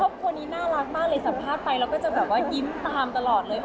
ครอบครัวนี้น่ารักมากเลยสัมภาพไปเราก็จะยิ้มตามตลอดเลย